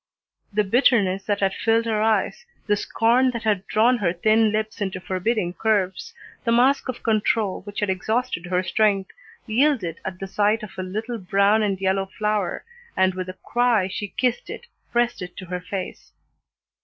The bitterness that had filled her eyes, the scorn that had drawn her thin lips into forbidding curves, the mask of control which had exhausted her strength, yielded at the sight of a little brown and yellow flower, and with a cry she kissed it, pressed it to her face.